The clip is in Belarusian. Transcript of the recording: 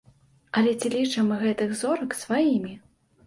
Але ці лічым мы гэтых зорак сваімі?